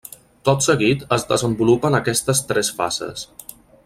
Tot seguit es desenvolupen aquestes tres fases.